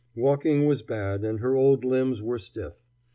Walking was bad, and her old limbs were stiff.